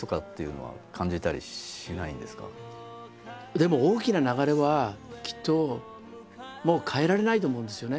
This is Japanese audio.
でも大きな流れはきっともう変えられないと思うんですよね